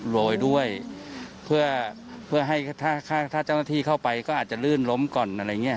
โรยด้วยเพื่อให้ถ้าเจ้าหน้าที่เข้าไปก็อาจจะลื่นล้มก่อนอะไรอย่างนี้